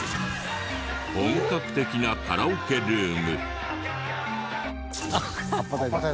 本格的なカラオケルーム。